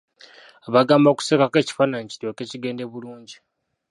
Abagamba okusekako ekifaananyi kiryoke kigende bulungi.